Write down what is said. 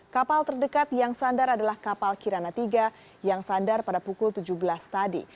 kapal terdekat yang sandar adalah kapal kirana tiga yang sandar pada pukul tujuh belas tadi